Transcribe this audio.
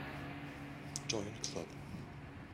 Join the Club.